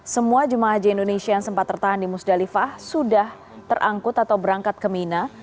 semua jemaah haji indonesia yang sempat tertahan di musdalifah sudah terangkut atau berangkat ke mina